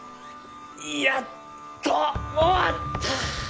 やっと終わった。